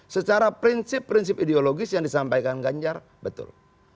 secara prinsip prinsip ideologis yang disampaikan ganjar betul